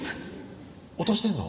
落としてんの？